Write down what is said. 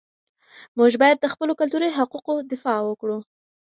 موږ باید د خپلو کلتوري حقوقو دفاع وکړو.